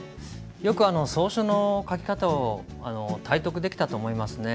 よく草書の書き方を体得できたと思いますね。